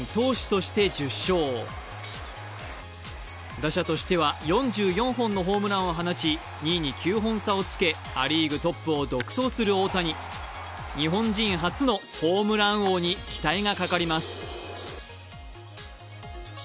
打者としては４４本のホームランを放ち２位に９本差をつけ、ア・リーグトップを独走する大谷日本人初のホームラン王に期待がかかります。